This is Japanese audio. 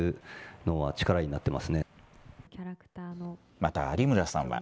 また有村さんは。